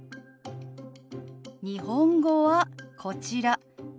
日本語はこちら「何時？」